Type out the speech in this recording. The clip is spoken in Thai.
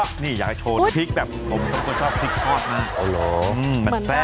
รู้มะนี้อยากใช้โชว์ลูกชิ้นพริกแบบนะคะ